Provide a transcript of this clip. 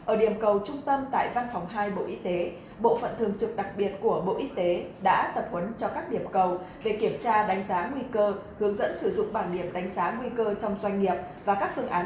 ở điểm cầu trung tâm tại văn phòng hai bộ y tế bộ phận thường trực đặc biệt của bộ y tế đã tập huấn cho các điểm cầu về kiểm tra đánh giá nguy cơ hướng dẫn sử dụng bảng điểm đánh giá nguy cơ trong doanh nghiệp và các phương án